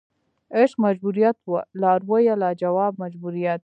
عشق مجبوریت وه لارویه لا جواب مجبوریت